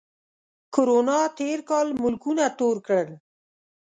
کرونا تېر کال ملکونه تور کړل